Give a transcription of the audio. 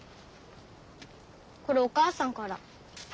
これお母さんから。